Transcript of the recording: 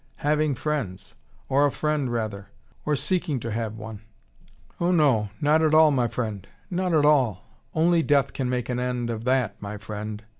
"Having friends: or a friend, rather: or seeking to have one." "Oh, no! Not at all, my friend. Not at all! Only death can make an end of that, my friend.